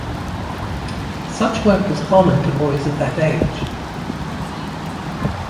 Such work was common to boys of that age.